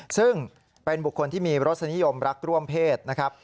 ซึ่งเป็นบุคคลที่มีรสนิยมรักร่วมเพศนะครับ